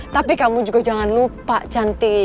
tapi kamu juga jangan lupa cantik